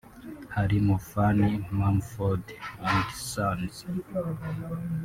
harimo Fun Mumford & Sons